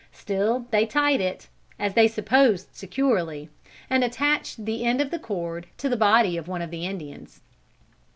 Still they tied it, as they supposed securely, and attached the end of the cord to the body of one of the Indians.